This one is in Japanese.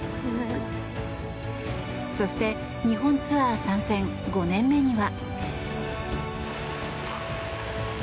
そして日本ツアー参戦５年目には。